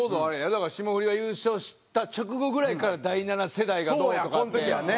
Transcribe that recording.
だから霜降りが優勝した直後ぐらいから第七世代がどうとかっていわれて。